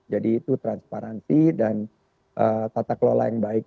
jadi itu transparansi dan tata kelola yang baik